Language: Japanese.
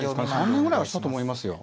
３年ぐらいはしたと思いますよ。